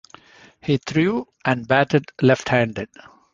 He threw and batted left-handed.